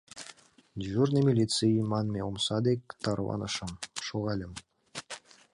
«Дежурный милиций» манме омса дек тарванышым, шогальым.